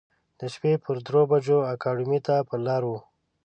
د شپې پر درو بجو اکاډمۍ ته پر لار و.